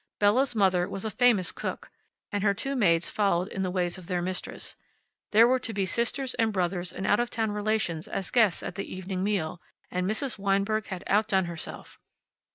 Bella's mother was a famous cook, and her two maids followed in the ways of their mistress. There were to be sisters and brothers and out of town relations as guests at the evening meal, and Mrs. Weinberg had outdone herself.